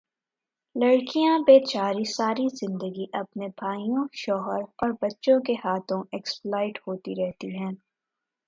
لڑکیاں بے چاری ساری زندگی اپنے بھائیوں، شوہر اور بچوں کے ہاتھوں ایکسپلائٹ ہوتی رہتی ہیں